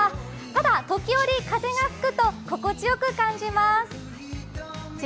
ただ、時折風が吹くと心地よく感じます。